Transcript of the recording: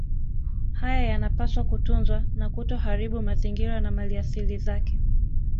Haya yanapaswa kutunzwa na kutoharibu mazingira na maliasili zake